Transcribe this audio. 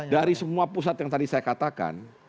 dari semua pusat yang tadi saya katakan